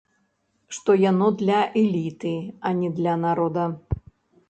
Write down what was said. Што яно для эліты, а не для народа.